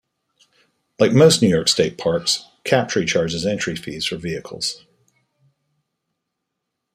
Like most New York State Parks, Captree charges entry fees for vehicles.